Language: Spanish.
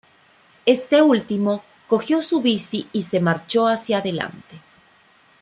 Este último cogió su bici y se marchó hacía adelante.